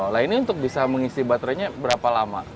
lainnya untuk bisa mengisi baterainya berapa lama